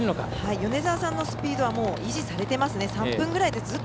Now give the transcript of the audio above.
米澤さんのスピードは維持されていますね。